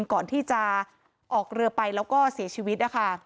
ก่อนที่จะออกเรือไปแล้วก็เสียชีวิตนะคะ